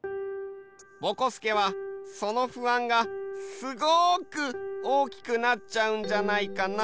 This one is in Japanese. ぼこすけはその不安がすごくおおきくなっちゃうんじゃないかな？